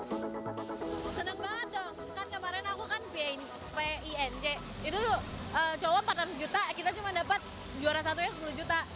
seneng banget dong kan kemarin aku kan pinc itu cowok rp empat ratus juta kita cuma dapat juara satunya rp sepuluh juta